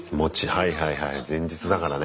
はいはいはい前日だからね。